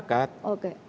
oke artinya go public